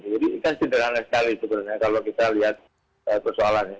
jadi ini kan sederhana sekali sebenarnya kalau kita lihat persoalannya